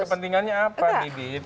kepentingannya apa didit